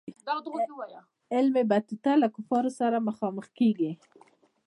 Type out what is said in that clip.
ابن بطوطه له کفارو سره مخامخ کیږي.